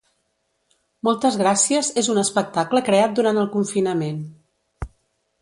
Moltes gràcies és un espectacle creat durant el confinament.